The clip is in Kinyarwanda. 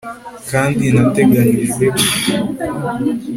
kandi nateganijwe kuguruka